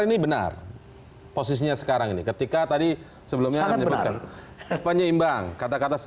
ini benar posisinya sekarang ini ketika tadi sebelumnya anda menyebutkan penyeimbang kata kata